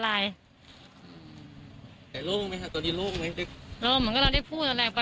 แล้วเหมือนกันเราได้พูดต่อแรกไป